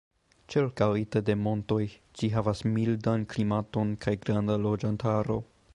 Ĉirkaŭita de montoj, ĝi havas mildan klimaton kaj granda loĝantaro.